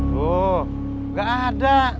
tuh nggak ada